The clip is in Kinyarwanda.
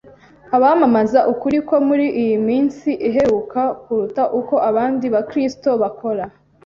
Abamamaza ukuri ko muri iyi minsi iheruka, kuruta uko abandi Bakristo bakora